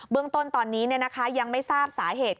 เรื่องต้นตอนนี้ยังไม่ทราบสาเหตุ